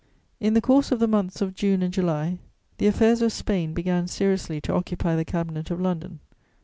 In the course of the months of June and July, the affairs of Spain began seriously to occupy the Cabinet of London.